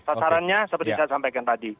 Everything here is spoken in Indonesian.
sasarannya seperti saya sampaikan tadi